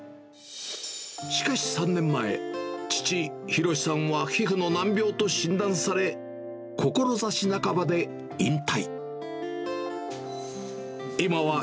しかし３年前、父、ひろしさんは、皮膚の難病と診断され、志半ばで引退。